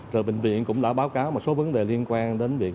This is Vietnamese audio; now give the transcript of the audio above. rồi bệnh viện cũng đã báo cáo một số vấn đề liên quan đến việc